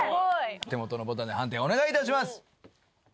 お手元のボタンで判定お願いいたします。